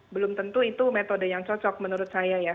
belum tentu itu metode yang cocok menurut saya ya